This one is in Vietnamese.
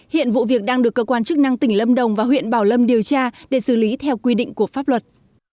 hiện vụ việc đang được cơ quan chức năng tỉnh lâm đồng và huyện bảo lâm điều tra để xử lý theo quy định của pháp luật